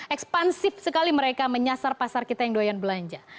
ekspansif sekali mereka menyasar pasar kita yang doyan belanja